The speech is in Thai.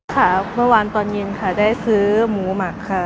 ค่ะเมื่อวานตอนเย็นค่ะได้ซื้อหมูหมักค่ะ